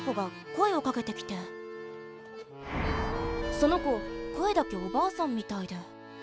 その子声だけおばあさんみたいで。